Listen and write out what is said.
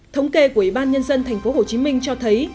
thống kê của ủy ban nhân dân tp hcm cho thấy